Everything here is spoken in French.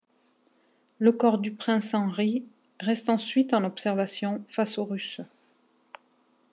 Le corps du prince Henri reste ensuite en observation face aux Russes.